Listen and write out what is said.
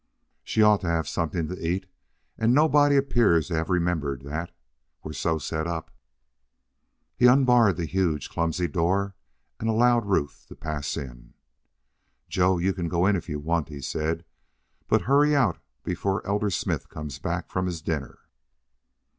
"She ought to have somethin' to eat. An' nobody 'pears to have remembered that we're so set up." He unbarred the huge, clumsy door and allowed Ruth to pass in. "Joe, you can go in if you want," he said. "But hurry out before Elder Smith comes back from his dinner."